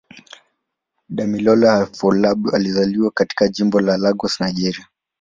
Damilola Afolabi alizaliwa katika Jimbo la Lagos, Nigeria.